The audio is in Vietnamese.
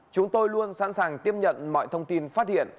chúng tôi luôn sẵn sàng tiếp nhận mọi thông tin phát hiện